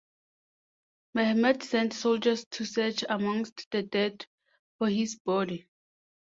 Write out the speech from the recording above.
Mehmed sent soldiers to search amongst the dead for his body.